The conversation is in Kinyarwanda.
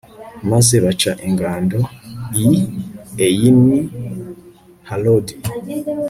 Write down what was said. maze baca ingando i eyini harodi